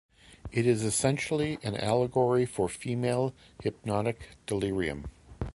It is essentially an allegory for female hypnotic delirium.